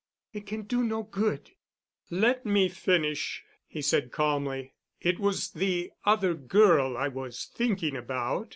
It can do no good." "Let me finish," he said calmly. "It was the other girl I was thinking about.